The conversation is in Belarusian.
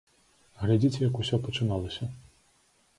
Глядзіце, як усё пачыналася.